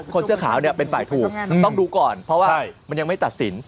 เสื้อขาวเนี่ยเป็นฝ่ายถูกต้องดูก่อนเพราะว่ามันยังไม่ตัดสิน